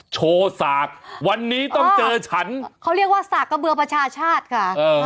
โชว์สากวันนี้ต้องเจอฉันเขาเรียกว่าสากกระเบือประชาชาติค่ะ